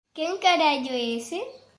Quen carallo é ese?